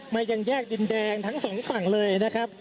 ไปยังแยกหากดินแดงทั้ง๒ส่วนฝั่งเลยนะครับ